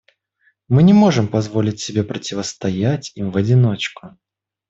Мы не можем позволить себе противостоять им в одиночку.